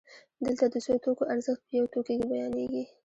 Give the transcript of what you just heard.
دلته د څو توکو ارزښت په یو توکي کې بیانېږي